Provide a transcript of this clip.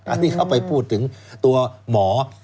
อันนี้เขาไปพูดถึงตัวหมอ